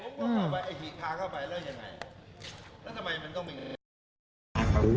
เข้าไปไอ้ทีพาเข้าไปแล้วยังไงแล้วทำไมมันต้องมี